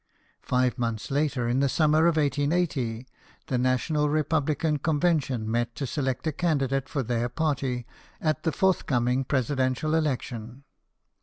Five months later, in the summer of 1880, the National Republican Convention met to select a candidate for their party at the forthcoming presidential election.